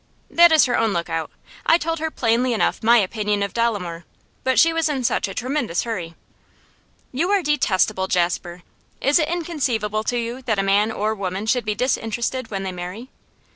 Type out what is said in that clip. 'That is her own look out; I told her plainly enough my opinion of Dolomore. But she was in such a tremendous hurry.' 'You are detestable, Jasper! Is it inconceivable to you that a man or woman should be disinterested when they marry?